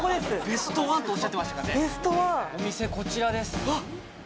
お店こちらですあっ